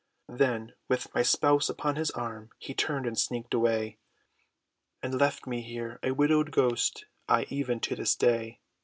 Then, with my spouse upon his arm, He turned, and sneaked away, And left me here, a widowed ghost, Aye, even to this day!"